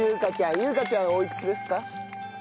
優香ちゃんおいくつですか？